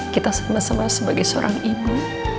kita sama sama sebagai seorang ibu